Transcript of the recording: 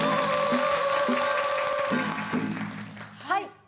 はい！